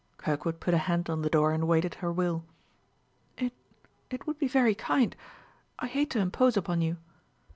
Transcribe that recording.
Kirkwood put a hand on the door and awaited her will. "It it would be very kind ... I hate to impose upon you."